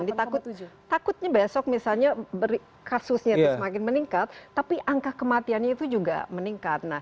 jadi takutnya besok misalnya kasusnya semakin meningkat tapi angka kematiannya itu juga meningkat